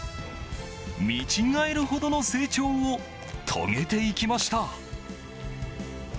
見違えるほどの成長を遂げていきました。